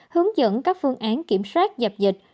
hướng dẫn các phương án